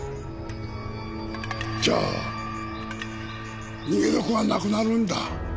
じゃあ逃げ得はなくなるんだ。